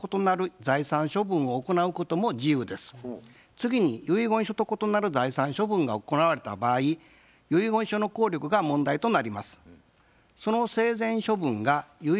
次に遺言書と異なる財産処分が行われた場合遺言書の効力が問題となります。